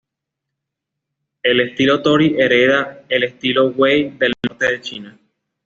El estilo Tori hereda el estilo Wei del norte de China.